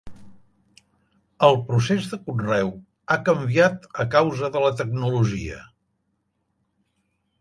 El procés de conreu ha canviat a causa de la tecnologia.